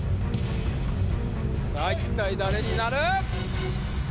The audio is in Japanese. さぁ一体誰になる？